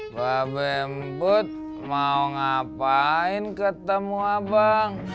babe meput mau ngapain ketemu abang